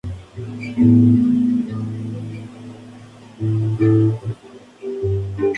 Sus primeros escritos en catalán fueron cartas de amor.